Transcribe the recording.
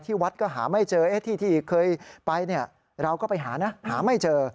วัดก็หาไม่เจอที่ที่เคยไปเราก็ไปหานะหาไม่เจอ